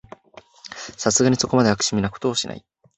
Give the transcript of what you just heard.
さすがにそこまで悪趣味なことはしない